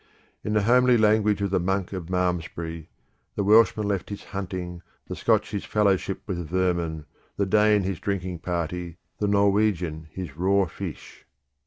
In the homely language of the monk of Malmesbury, "the Welshman left his hunting, the Scotch his fellowship with vermin, the Dane his drinking party, the Norwegian his raw fish."